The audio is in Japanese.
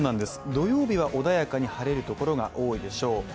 土曜日は穏やかに晴れるところが多いでしょう。